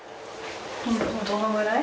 どのぐらい？